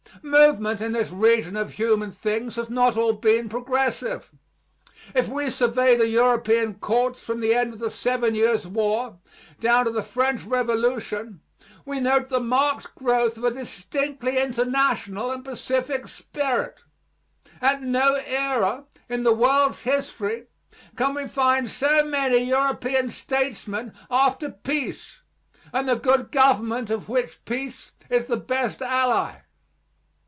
Movement in this region of human things has not all been progressive. If we survey the European courts from the end of the Seven Years' War down to the French Revolution, we note the marked growth of a distinctly international and pacific spirit. At no era in the world's history can we find so many European statesmen after peace and the good government of which peace is the best ally.